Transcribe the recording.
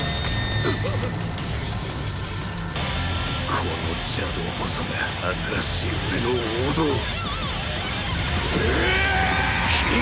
この邪道こそが新しい俺の王道オラーーーッ！！